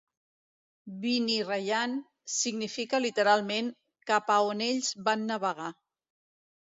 "Binirayan" significa literalment "cap a on ells van navegar".